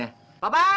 wah mulai penyakitnya